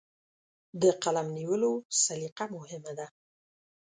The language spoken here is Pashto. د قلم نیولو سلیقه مهمه ده.